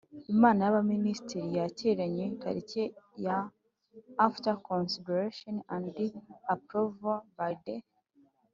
Inama y Abaminisitiri yateranye tariki ya After consideration and approval by the